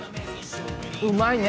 うまいね。